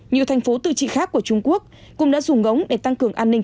nhiều thành phố tư trị khác của trung quốc cũng đã dùng ngỗng để tăng cường an ninh